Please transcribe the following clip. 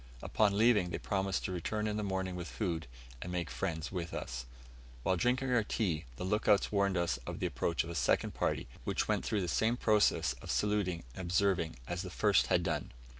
Upon leaving, they promised to return in the morning with food, and make friends with us. While drinking our tea, the look outs warned us of the approach of a second party, which went through the same process of saluting and observing as the first had done.